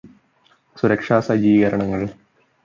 സുരക്ഷാ സജ്ജീകരണങ്ങള്